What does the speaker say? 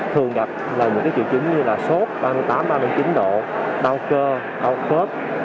thường gặp là những triệu chứng như là sốt ba mươi tám ba mươi chín độ đau cơ đau khớp